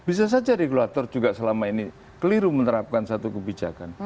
bisa saja regulator juga selama ini keliru menerapkan satu kebijakan